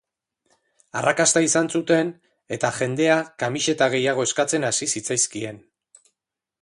Arrakasta izan zuten etajendea kamiseta gehiago eskatzen hasi zitzaizkien.